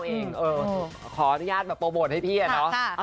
อร่อย๒๙๙เองขออนุญาตโปรโบตให้พี่อ่ะเนอะ